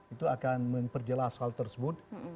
itu akan memperjelas hal tersebut